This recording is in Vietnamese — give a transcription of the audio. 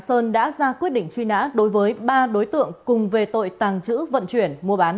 sẽ chuyển đến quý vị và các bạn